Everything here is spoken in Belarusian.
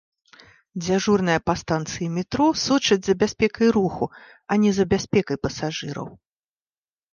Дзяжурная па станцыі метро сочыць за бяспекай руху, а не за бяспекай пасажыраў.